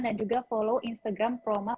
dan juga follow instagram peromah